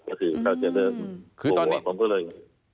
ก็คือเขาจะเริ่มคือตอนนี้หลวงก็เลย